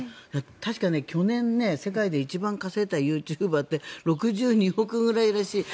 確か去年、世界で一番稼いだユーチューバーって６２億ぐらいらしい。